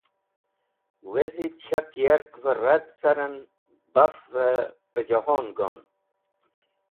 Wezit shak yarkvẽ rad carẽn bafvẽ pẽjehon gon.